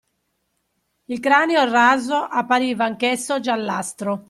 Il cranio raso appariva anch’esso giallastro.